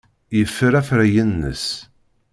Yeffer afrayen-nnes.